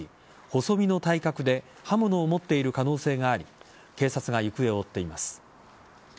細身の体格で刃物を持っている可能性があり警察が行方を追っています。